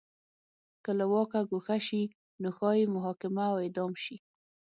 که له واکه ګوښه شي نو ښايي محاکمه او اعدام شي.